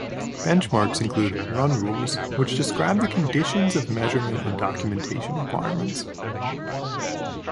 Benchmarks include "run rules", which describe the conditions of measurement and documentation requirements.